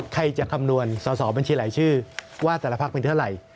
ใครจะคำนวณสอสอบัญชีหลายชื่อว่าแต่ละพักเป็นเท่าไหร่